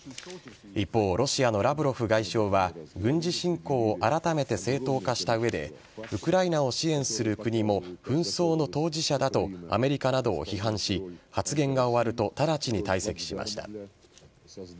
一方、ロシアのラブロフ外相は軍事侵攻をあらためて正当化した上でウクライナを支援する国も紛争の当事者だとアメリカなどを批判し発言が終わると直ちに退席しました。